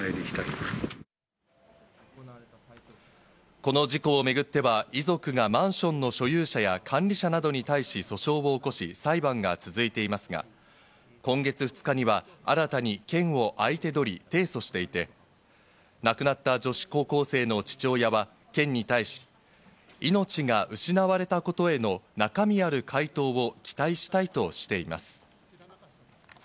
この事故をめぐっては、遺族がマンションの所有者や管理者等に対し、訴訟を起こし裁判が続いていますが、今月２日には、新たに県を相手取り、提訴していて亡くなった女子高校生の父親は県に対し、命が失われたことへの中身ある回答を期待したいとしています。